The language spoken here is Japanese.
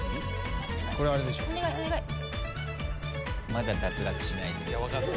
まだ脱落しないで。